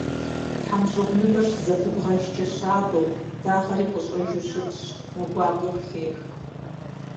ТхьэмщӀыгъуныбэр щызэпыбгъэжкӀэ щабэу, дагъэри къыщӀэжу щытщ, мэ гуакӀуи къыхех.